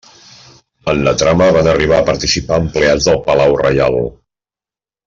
En la trama van arribar a participar empleats del Palau Reial.